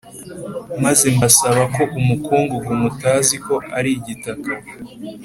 Maze mbasaba ko umukungugu mutaziko ari igitaka